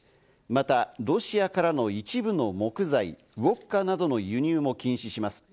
またロシアからの一部の木材、ウオッカなどの輸入も禁止します。